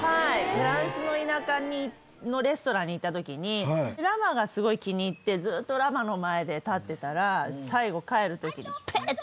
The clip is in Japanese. フランスの田舎のレストランに行った時にラマがすごい気に入ってずっとラマの前で立ってたら最後帰る時にペッ！